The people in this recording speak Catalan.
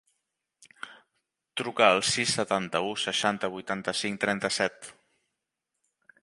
Truca al sis, setanta-u, seixanta, vuitanta-cinc, trenta-set.